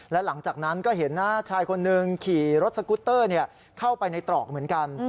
และหลังจากนั้นก็เห็นนะชายคนหนึ่งขี่รถสกุตเตอร์เข้าไปในตรอกเหมือนกัน